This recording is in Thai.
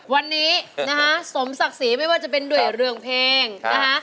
วันนี้นะคะสมศักดิ์ศรีไม่ว่าจะเป็นด้วยเรื่องเพลงนะคะ